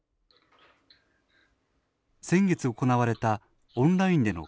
先月行われたオンラインでの研修。